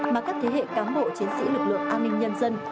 mà các thế hệ cán bộ chiến sĩ lực lượng an ninh nhân dân